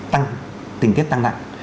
tăng tình tiết tăng nặng